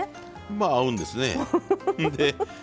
まあ合うんですね。